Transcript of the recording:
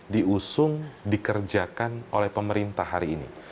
diusung dikerjakan oleh pemerintah hari ini